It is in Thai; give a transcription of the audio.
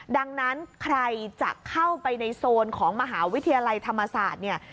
ดังนั้นใครจะเข้าไปในโซนของมหาวิทยาลัยธรรมศาสตร์เนี่ย